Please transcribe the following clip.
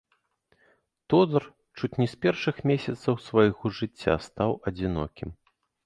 Тодар чуць не з першых месяцаў свайго жыцця стаў адзінокім.